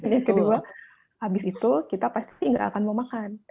yang kedua habis itu kita pasti nggak akan mau makan